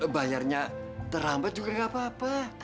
bayarnya terlambat juga gak apa apa